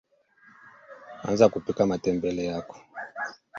anza kupika matembele yako